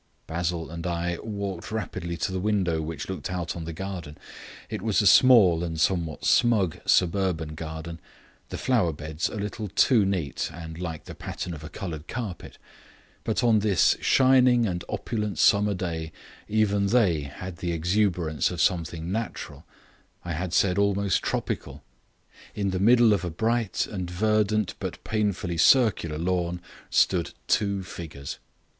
Basil and I walked rapidly to the window which looked out on the garden. It was a small and somewhat smug suburban garden; the flower beds a little too neat and like the pattern of a coloured carpet; but on this shining and opulent summer day even they had the exuberance of something natural, I had almost said tropical. In the middle of a bright and verdant but painfully circular lawn stood two figures.